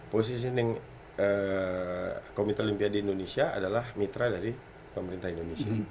positioning komite olimpiade indonesia adalah mitra dari pemerintah indonesia